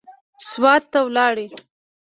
سوات ته ولاړ.